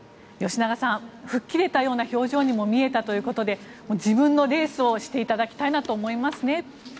吉永さん吹っ切れたような表情にも見えたということで自分のレースをしていただきたいなと思います。